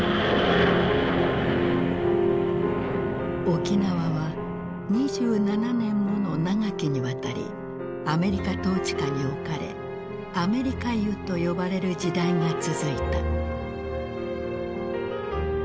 沖縄は２７年もの長きにわたりアメリカ統治下に置かれ「アメリカ世」と呼ばれる時代が続いた。